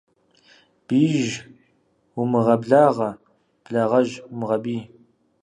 Биижь умыгъэблагъэ, благъэжь умыгъэбий.